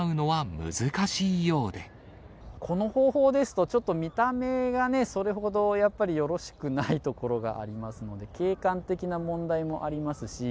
この方法ですと、ちょっと見た目がね、それほどやっぱりよろしくないところがありますので、景観的な問題もありますし。